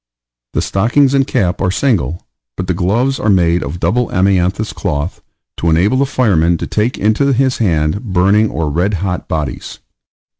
The stockings and cap are single, but the gloves are made of double amianthus cloth, to enable the fireman to take into his hand burning or red hot bodies.